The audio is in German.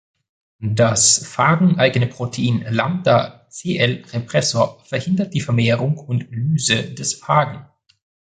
Das Phagen-eigene Protein Lambda-cI-Repressor verhindert die Vermehrung und Lyse des Phagen.